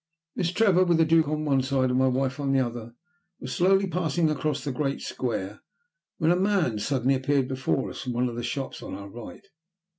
Miss Trevor, with the Duke on one side and my wife on the other, was slowly passing across the great square, when a man suddenly appeared before us from one of the shops on our right.